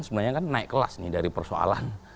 sebenarnya kan naik kelas nih dari persoalan